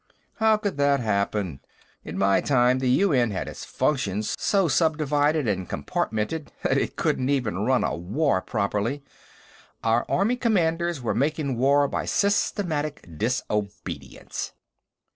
"How could that happen? In my time, the UN had its functions so subdivided and compartmented that it couldn't even run a war properly. Our army commanders were making war by systematic disobedience."